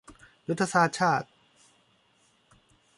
ยุทธศาสตร์ชาติ